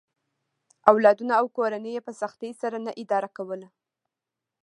اولادونه او کورنۍ یې په سختۍ سره نه اداره کوله.